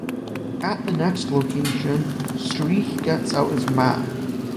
At the next location, Streak gets out his map.